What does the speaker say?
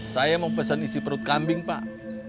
saya mau pesen isi perut kambing pak